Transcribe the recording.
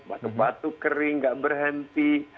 batu batu kering nggak berhenti